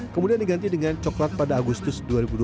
kemudian diganti dengan coklat pada agustus dua ribu dua puluh